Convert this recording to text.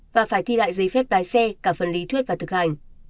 và phải thi lại giấy phép lái xe cả phần lý thuyết và thực hành